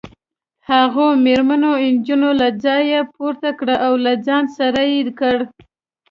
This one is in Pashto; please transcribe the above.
هغو مېرمنو نجلۍ له ځایه پورته کړه او له ځان سره یې کړه